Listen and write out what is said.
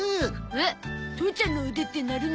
えっ父ちゃんの腕って鳴るの？